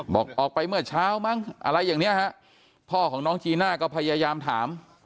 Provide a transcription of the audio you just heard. บอกออกไปเมื่อเช้ามั้งอะไรอย่างนี้ฮะพ่อของน้องจีน่าก็พยายามถาม